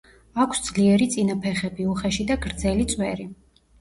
აქვს ძლიერი წინა ფეხები, უხეში და გრძელი წვერი.